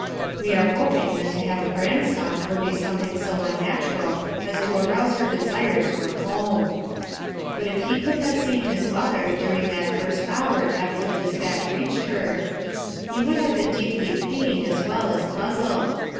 w e are hoping that to have a grandson will be some thing so unnatural as to arouse hex desires for home " But if he could have seen his mother during that first hour after the despatch reached her, he would have been deeply pained aa well as puzzled.